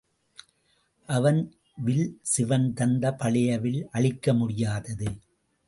அவன் வில் சிவன் தந்த பழைய வில் அழிக்க முடியாதது.